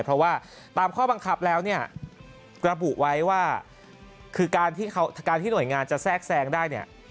เพราะว่าตามข้อบังคับแล้วระบุไว้ว่าถ้าหน่วยงานแทรกแซงได้